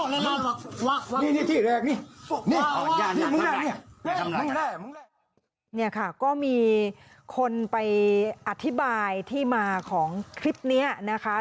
นี่ค่ะก็มีคนไปอธิบายที่มาของคลิปนี้นะคะ